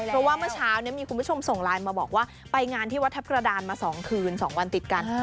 เพราะว่าเมื่อเช้ามีคุณผู้ชมส่งไลน์มาบอกว่าไปงานที่วัดทัพกระดานมา๒คืน๒วันติดกัน